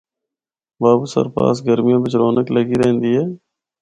’بابو سر‘ پاس گرمیاں بچ رونق لگی رہندی اے۔